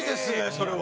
それは。